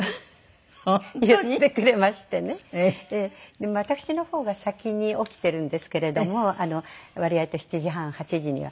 でも私の方が先に起きているんですけれども割合と７時半８時には。